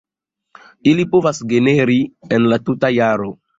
Ili povas generi en la tuta jaro.